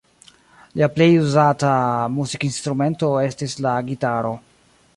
Lia plej uzata muzikinstrumento estis la gitaro.